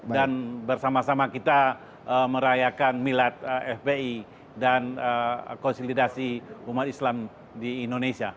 dan bersama sama kita merayakan milad fpi dan konsolidasi umat islam di indonesia